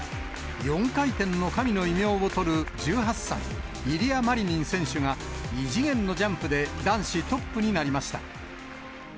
４回転の神の異名を取る１８歳、イリア・マリニン選手が、異次元のジャンプで男子トップになりました。